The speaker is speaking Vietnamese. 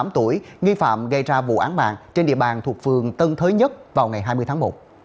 tám tuổi nghi phạm gây ra vụ án mạng trên địa bàn thuộc phường tân thới nhất vào ngày hai mươi tháng một